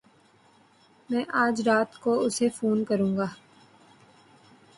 میں اج رات کو اسے فون کروں گا